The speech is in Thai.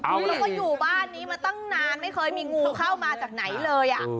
แล้วก็อยู่บ้านนี้มาตั้งนานไม่เคยมีงูเข้ามาจากไหนเลย